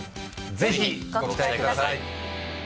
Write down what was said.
ぜひ、ご期待ください！